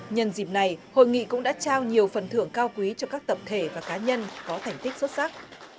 nhân dịp này hội nghị cũng đã trao nhiều phần thưởng cao quý cho các tập thể và cá nhân có thành tích xuất sắc